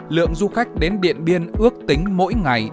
lượng du khách đến điện biên ước tính mỗi ngày